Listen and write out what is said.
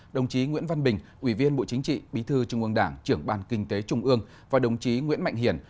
đồng chí nguyễn văn bình ủy viên bộ chính trị bí thư trung ương đảng trưởng ban kinh tế trung ương và đồng chí nguyễn mạnh hiển